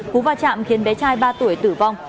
cú va chạm khiến bé trai ba tuổi tử vong